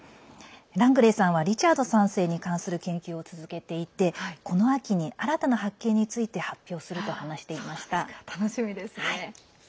ラングレーさんはリチャード３世に関する研究を続けていてこの秋に新たな発見について楽しみですね。